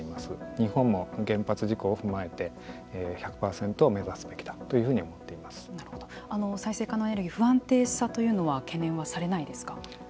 日本も原発事故を踏まえて１００％を目指すべきだというふ再生可能エネルギーの不安定さというのは懸念はされないですか。